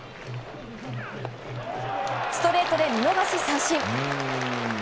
ストレートで見逃し三振。